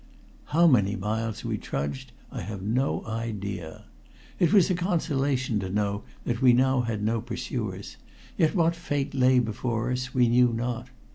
How many miles we trudged I have no idea. It was a consolation to know that we now had no pursuers, yet what fate lay before us we knew not.